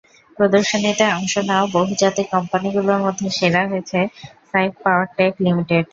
প্রদর্শনীতে অংশ নেওয়া বহুজাতিক কোম্পানিগুলোর মধ্যে সেরা হয়েছে সাইফ পাওয়ারটেক লিমিটেড।